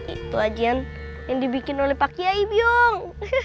itu aja yang dibikin oleh pak kiai biong